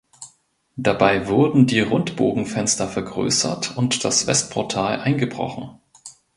Dabei wurden die Rundbogenfenster vergrößert und das Westportal eingebrochen.